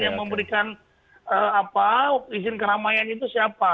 yang memberikan izin keramaian itu siapa